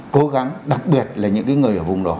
cố gắng đặc biệt là những người ở vùng đó